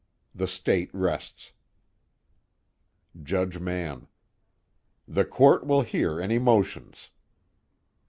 The State rests. JUDGE MANN: The Court will hear any motions.